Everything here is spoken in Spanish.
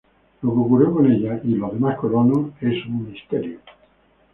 Lo que ocurrió con ella y los demás colonos es un misterio.